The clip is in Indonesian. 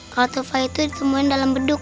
kalau tufa itu ditemuin dalam beduk